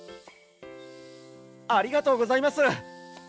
ありがとうございます。